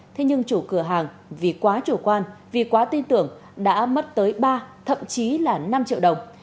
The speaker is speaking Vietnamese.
thế nhưng chủ cửa hàng vì quá chủ quan vì quá tin tưởng đã mất tới ba thậm chí là năm triệu đồng